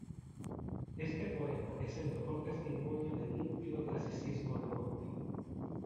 Este poema es el mejor testimonio del límpido clasicismo de Monti.